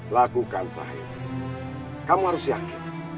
lakukan saya kamu harus yakin